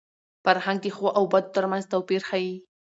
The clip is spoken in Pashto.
فرهنګ د ښو او بدو تر منځ توپیر ښيي.